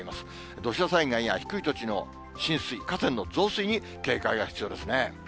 土砂災害や低い土地の浸水、河川の増水に警戒が必要ですね。